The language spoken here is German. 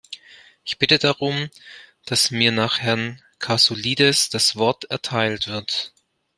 Ich bitte darum, dass mir nach Herrn Kasoulides das Wort erteilt wird.